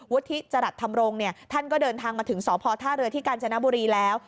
ที่จรัสธรรมรงค์เนี่ยท่านก็เดินทางมาถึงสพท่าเรือที่กาญจนบุรีแล้ว